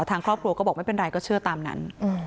ทางครอบครัวก็บอกไม่เป็นไรก็เชื่อตามนั้น